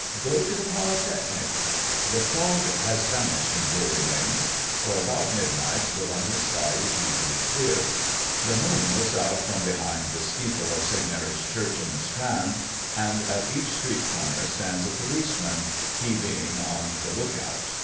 Go to the Polytechnic ." The fog has vanished in Drury lane; for about midnight the London sky is usually clear; the moon looks out from behind the steeple of St. Mary's church in the Strand, and at each street corner stands a policeman, he being on the look out.